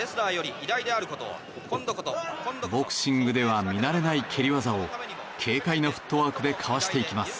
ボクシングでは見慣れない蹴り技を軽快なフットワークでかわしていきます。